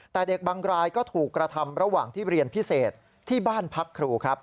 แต่เด็กบางรายก็ถูกกระทำระหว่างที่เรียนพิเศษที่บ้านพักครูครับ